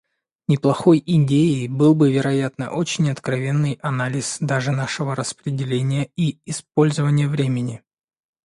Неплохой идеей был бы, вероятно, очень откровенный анализ даже нашего распределения и использования времени.